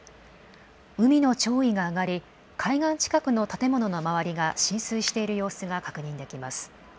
海の潮位が上がり海岸近くの建物の周りが浸水している様子が確認できます。